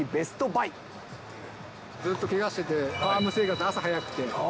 ずーっとけがしてて、ファーム生活、朝早くて。